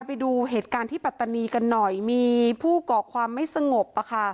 ไปดูเหตุการณ์ที่ปัตตานีกันหน่อยมีผู้ก่อความไม่สงบ